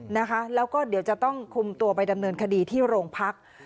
นะคะแล้วก็เดี๋ยวจะต้องคุมตัวไปดำเนินคดีที่โรงพัก